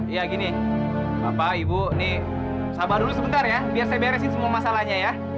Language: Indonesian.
ya gini bapak ibu ini sabar dulu sebentar ya biar saya beresin semua masalahnya ya